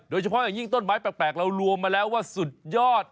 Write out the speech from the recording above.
โดยเฉพาะอย่างยิ่งต้นไม้แปลกเรารวมมาแล้วว่าสุดยอด